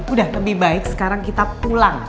udah lebih baik sekarang kita pulang